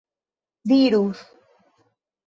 dirus